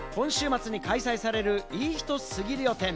今週末に開催される、いい人すぎるよ展。